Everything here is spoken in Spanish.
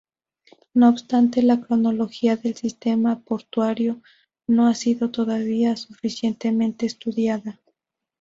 No obstante la cronología del sistema portuario no ha sido todavía suficientemente estudiada.